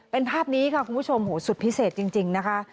เป็นภาพนี้ค่ะคุณผู้ชมโหสุดพิเศษจริงนะคะ